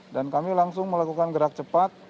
dan kami langsung melakukan gerak cepat